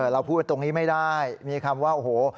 เราพูดตรงนี้ไม่ได้มีคำว่าโอ้โห